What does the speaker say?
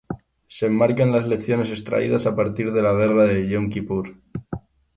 Se enmarca en las lecciones extraídas a partir de la guerra de Yom Kipur.